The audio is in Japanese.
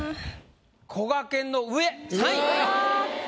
こがけんの上３位。